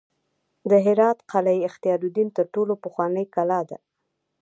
د هرات قلعه اختیارالدین تر ټولو پخوانۍ کلا ده